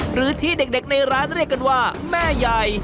หรือที่เด็กในร้านเรียกกันว่าแม่ใหญ่